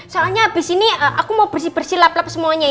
soalnya abis ini aku mau bersih bersih lap lap semuanya ya